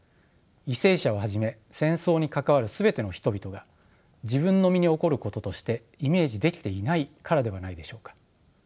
為政者をはじめ戦争に関わる全ての人々が自分の身に起こることとしてイメージできていないからではないでしょうか。